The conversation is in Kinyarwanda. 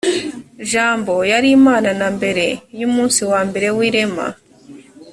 jambo yari imana na mbere y’umunsi wa mbere w’irema